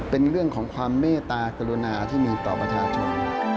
เป็นเรื่องของความเมตตากรุณาที่มีต่อประชาชน